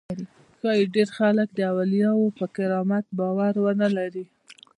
ښایي ډېر خلک د اولیاوو پر کرامت باور ونه لري.